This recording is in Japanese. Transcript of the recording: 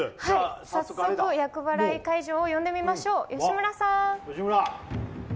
早速厄払い会場を呼んでみましょう。